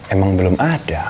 emang belum ada